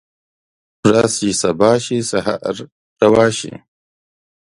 ورځ چې سبا شي سحر روا شي